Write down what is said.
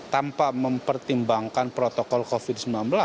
tanpa mempertimbangkan protokol covid sembilan belas